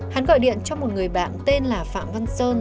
hắn gọi điện cho một người bạn tên là phạm văn sơn